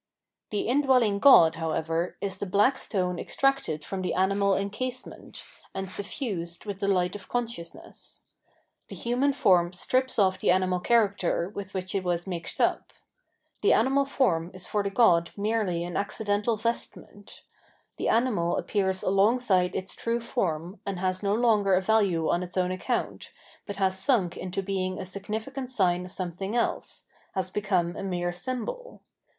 The indwelling god, however, is the black stone extracted from the animal encasement,* and suffused with the hght of consciousness. The human form strips off the animal character with which it was mixed up. The anima.1 fo rm is for the god merely an accidental vestment ; the animal appears alongside its true form,t and has no longer a value on its own account, but has sunk into being a significant sign of something else, has become a mere symbol.